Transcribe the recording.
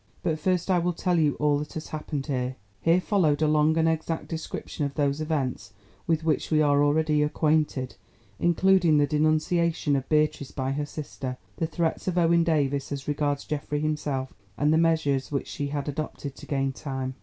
But first I will tell you all that has happened here." (Here followed a long and exact description of those events with which we are already acquainted, including the denunciation of Beatrice by her sister, the threats of Owen Davies as regards Geoffrey himself, and the measures which she had adopted to gain time.)